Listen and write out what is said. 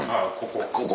ここ？